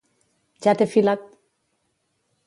Ja t'he filat!